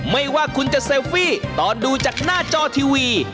ไม่ว่าคุณจะเซลฟี่ตอนดูจากหน้าจอทีวี